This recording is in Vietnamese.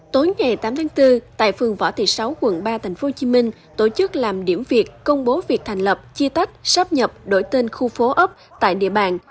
tối ngày tám tháng bốn tại phường võ thị sáu quận ba tp hcm tổ chức làm điểm việc công bố việc thành lập chia tách sáp nhập đổi tên khu phố ấp tại địa bàn